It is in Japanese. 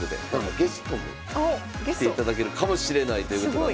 ゲストも来ていただけるかもしれないということなんで。